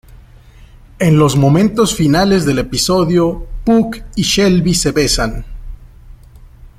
En los momentos finales del episodio, Puck y Shelby se besan.